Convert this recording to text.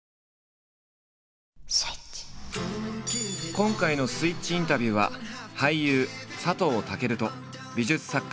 今回の「スイッチインタビュー」は俳優佐藤健と美術作家